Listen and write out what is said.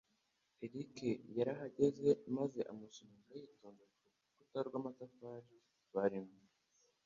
Eric yarahagaze maze amusunika yitonze ku rukuta rw'amatafari barimo.